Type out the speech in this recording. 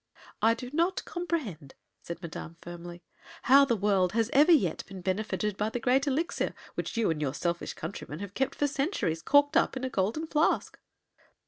"I do not comprehend," said Madame, firmly, "how the world has ever yet been benefited by the Great Elixir, which you and your selfish countrymen have kept for centuries corked up in a golden flask."